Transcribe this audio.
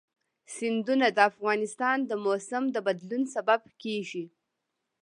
سیندونه د افغانستان د موسم د بدلون سبب کېږي.